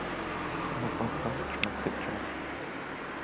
ФыныкӀуэцӀрыкӀ мобыкӀэ.